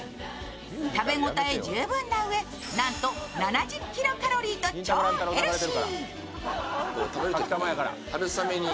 食べ応え十分なうえ、なんと７０キロカロリーと超ヘルシー。